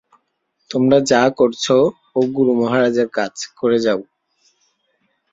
তোমরা যা করছ, ও গুরুমহারাজের কাজ, করে যাও।